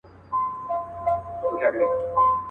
خو حیران سو چي سړی دومره هوښیار دی.